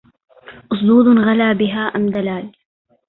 أصدود غلا بها أم دلال